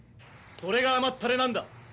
「それが甘ったれなんだ。